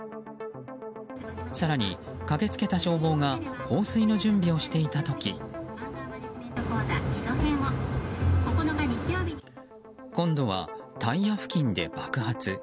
更に、駆け付けた消防が放水の準備をしていた時今度はタイヤ付近で爆発。